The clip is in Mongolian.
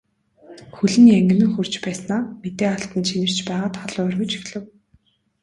Хөл нь янгинан хөрч байснаа мэдээ алдан чинэрч байгаад халуу оргиж эхлэв.